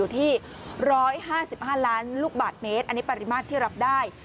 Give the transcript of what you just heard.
ที่๑๕๕ล้านลูกบาทเมตรอันนี้ปริมาตรที่รับได้